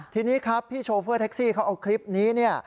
ทีนี้ครับพี่โชเฟอร์แท็กซี่เขาเอาคลิปนี้เนี่ย